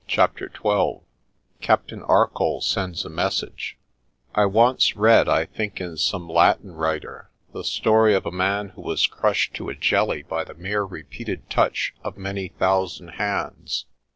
CHAPTER XII CAPTAIN ARCOLL SENDS A MESSAGE I ONCE read I think in some Latin writer the story of a man who was crushed to a jelly by the mere repeated touch of many thousand hands.